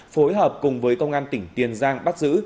phối hợp cùng với công an tỉnh tiền giang bắt giữ